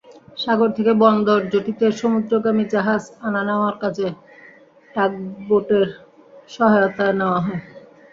সাগর থেকে বন্দর জেটিতে সমুদ্রগামী জাহাজ আনা-নেওয়ার কাজে টাগবোটের সহায়তা নেওয়া হয়।